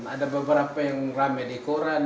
ada beberapa yang rame di koran